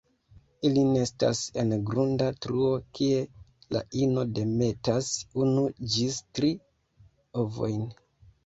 Ili nestas en grunda truo kie la ino demetas unu ĝis tri ovojn.